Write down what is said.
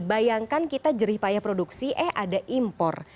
bayangkan kita jerih payah produksi eh ada impor